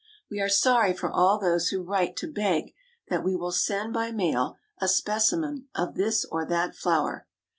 We are sorry for all those who write to beg that we will send by mail a specimen of this or that flower.